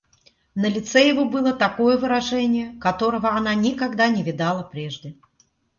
На лице его было такое выражение, которого она никогда не видала прежде.